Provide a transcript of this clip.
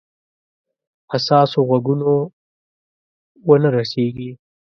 حساسو غوږونو ونه رسیږي.